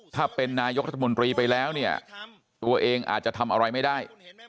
ถ้าเป็นนายกรัฐมนตรีไปแล้วเนี่ยตัวเองอาจจะทำอะไรไม่ได้